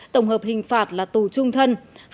tổng hợp hình phạt là tù trung thân